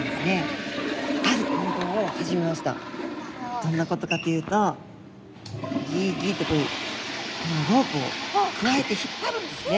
どんなことかというとギギってこのロープをくわえて引っ張るんですね。